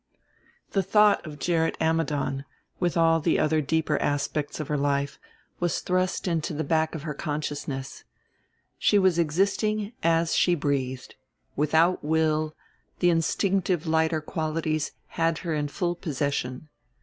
The thought of Gerritt Ammidon, with all the other deeper aspects of her life, was thrust into the back of her consciousness; she was existing as she breathed without will; the instinctive lighter qualities had her in full possession.